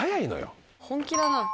本気だな。